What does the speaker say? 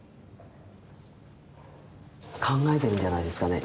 考えてるんじゃないですかね